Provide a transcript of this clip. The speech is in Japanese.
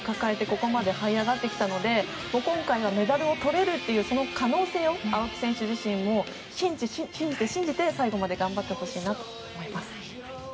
ここまではい上がってきたので今回はメダルをとれるというその可能性を青木選手自身も信じて、最後まで頑張ってほしいなと思います。